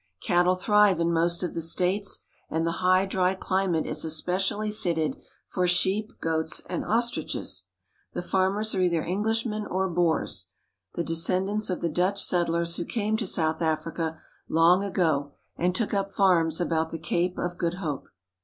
Cattle thrive in most of the states, and the ^^V high, dry climate is especially fitted for sheep, goats, and ^^^ ostriches. The farmers are either Englishmen or Boers, mmand tiig^^^^H ur winter. ^HH ies of South " Sheep the descendants of the Dutch settlers who came to South Africa long ago and took up farms about the Cape of Good Hope.